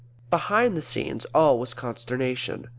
Behind the scenes all was consternation.